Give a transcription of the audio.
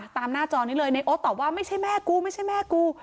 หน้าจอนี้เลยในโอ๊ตตอบว่าไม่ใช่แม่กูไม่ใช่แม่กู